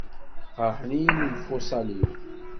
Qerrḥen-iyi lemfuṣal-iw.